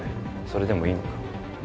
それでもいいのか？